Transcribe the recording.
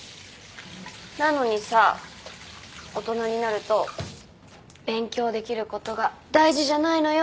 なのにさ大人になると「勉強できることが大事じゃないのよ」